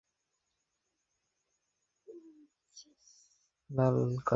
আমারা লাল আলো দেখে অভ্যস্ত।